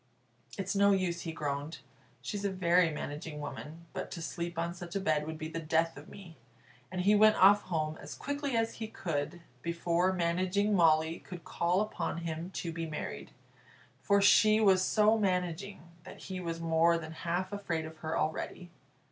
"It's no use," he groaned, "she's a very managing woman, but to sleep on such a bed would be the death of me." And he went off home as quickly as he could, before Managing Molly could call upon him to be married; for she was so managing that he was more than half afraid of her already.